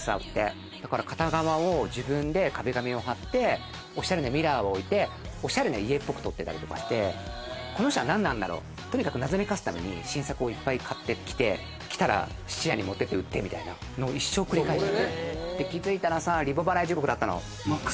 だから片側を自分で壁紙を貼って、おしゃれなミラーをおいて、おしゃれな家っぽく撮ってたりとかして、この人は何なんだろう謎めかすために新作を沢山買ってきて、撮ったら質屋に売ってっていうのを一生繰り返していて、気づいたらリボ払い地獄だったの。